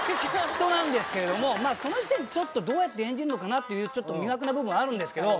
人なんですけれどもその時点でちょっとどうやって演じるのかなっていう魅惑な部分あるんですけど。